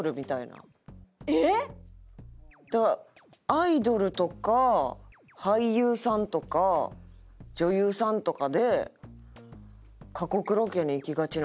アイドルとか俳優さんとか女優さんとかで過酷ロケに行きがちな方。